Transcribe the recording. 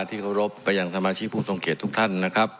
ที่รบไปอย่างสมาชิกผู้ทรงเกตทุกท่าน